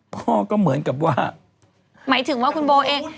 พ่อก็เหมือนกับว่าหมายถึงว่าคุณโบเอง